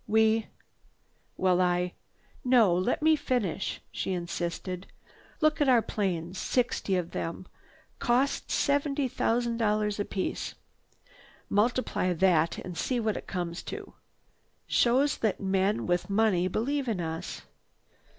We—" "Well, I—" "No! Let me finish," she insisted. "Look at our planes. Sixty of them, cost seventy thousand dollars apiece. Multiply that and see what it comes to. Shows that men with money believe in us.